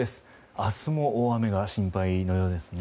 明日も大雨が心配のようですね。